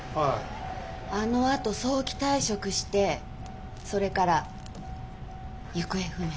あのあと早期退職してそれから行方不明。